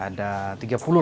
ada tiga puluh lah